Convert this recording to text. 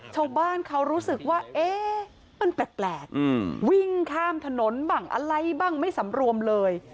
ชาวบ้านเขารู้สึกว่าเอ๊ะมันแปลกวิ่งข้ามถนนบ้างอะไรบ้างไม่สำรวมเลย